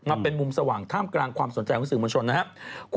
มาเป็นมุมสว่างท่ามกลางความสนใจของสื่อมวลชนนะครับ